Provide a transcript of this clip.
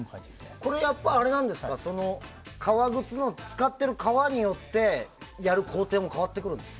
これは革靴の使っている革によってやる工程も変わってくるんですか？